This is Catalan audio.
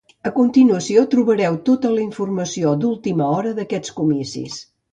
A continuació trobareu tota la informació d’última hora d’aquests comicis.